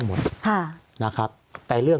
สวัสดีครับทุกคน